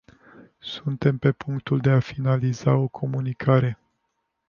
Suntem pe punctul de a finaliza o comunicare.